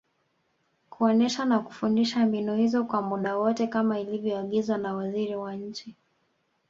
kuonesha na kufundisha mbinu hizo kwa muda wote kama ilivyoagizwa na Waziri wa Nchi